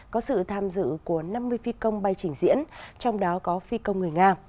có sự tham dự của năm mươi phi công bay trình diễn trong đó có phi công người nga